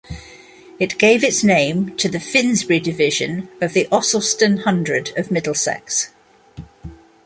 It gave its name to the Finsbury division of the Ossulstone hundred of Middlesex.